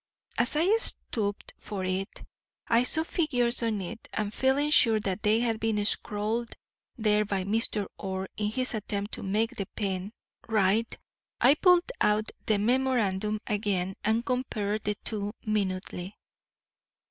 As I stooped for it I saw figures on it, and feeling sure that they had been scrawled there by Mr. Orr in his attempt to make the pen write, I pulled out the memorandum again and compared the two minutely.